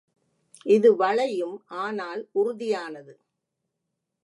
இது வளையும் ஆனால் உறுதியானது.